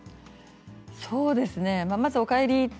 そうですねまずお帰り。